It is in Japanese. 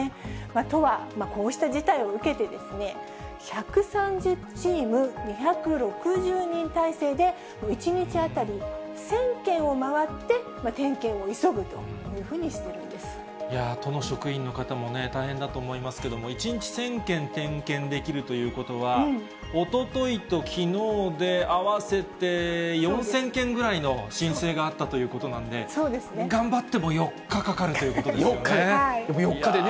都は、こうした事態を受けて、１３０チーム、２６０人態勢で、１日当たり１０００軒を回って、点検を急ぐというふうにしている都の職員の方もね、大変だと思いますけども、１日１０００軒点検できるということは、おとといときのうで合わせて４０００件ぐらいの申請があったということなんで、頑張っても４日かかるということですよね。